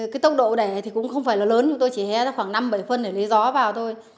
cái tốc độ đẻ thì cũng không phải là lớn chúng tôi chỉ hé ra khoảng năm bảy phân để lấy gió vào thôi